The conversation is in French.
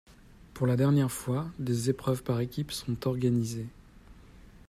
Pour la dernière fois, des épreuves par équipes sont organisées.